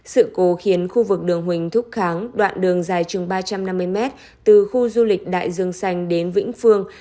sự cố khiến khu vực đường huỳnh thúc kháng đoạn đường dài chừng ba trăm năm mươi mét từ khu du lịch đại dương xanh đến vĩnh phương